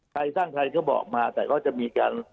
ใครสร้างใครก็บอกมาแต่ก็จะมีการ